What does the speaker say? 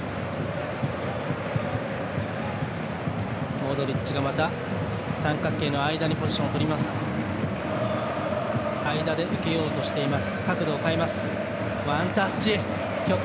モドリッチが三角形の間にポジションを取ります。